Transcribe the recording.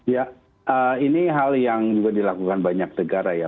ya ini hal yang juga dilakukan banyak negara ya